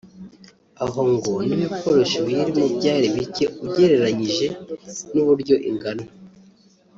aho ngo n’ibikoresho biyirimo byari bike ugereranyihe n’uburyo ingana